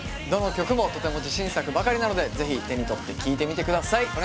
どの曲もとても自信作ばかりなのでぜひ手に取って聴いてみてください